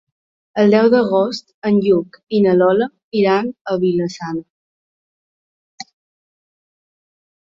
El deu d'agost en Lluc i na Lola iran a Vila-sana.